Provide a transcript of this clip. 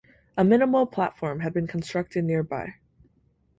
A minimal platform had been constructed nearby.